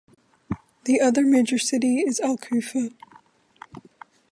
The other major city is Al Kufah.